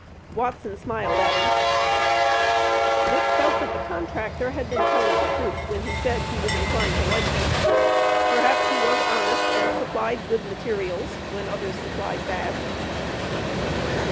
Watson smiled at him. Dick felt that the contractor had been telling the truth when he said that he was inclined to like him. Perhaps he was honest and supplied good materials, when others supplied bad.